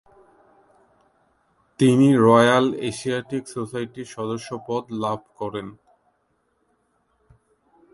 তিনি royal Asiatic সোসাইটির সদস্যপদ লাভ করেন।